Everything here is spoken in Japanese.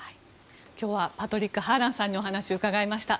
今日はパトリック・ハーランさんにお話を伺いました。